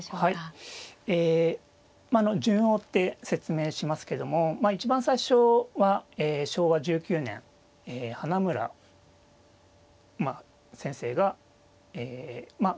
はいえ順を追って説明しますけども一番最初は昭和１９年花村先生がえまあ